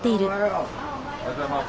おはようございます。